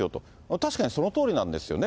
確かにそのとおりなんですよね。